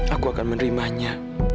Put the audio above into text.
aku akan menerimanya